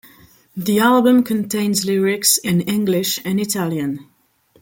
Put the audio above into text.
The album contains lyrics in English and Italian.